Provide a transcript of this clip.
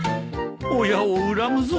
親を恨むぞ。